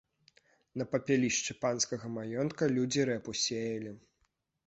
На папялішчы панскага маёнтка людзі рэпу сеялі.